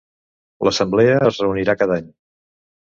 L'Assemblea es reunia cada any.